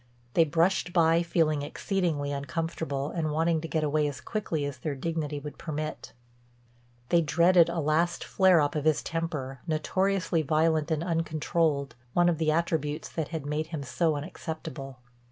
They brushed by, feeling exceedingly uncomfortable and wanting to get away as quickly as their dignity would permit. They dreaded a last flare up of his temper, notoriously violent and uncontrolled, one of the attributes that had made him so unacceptable.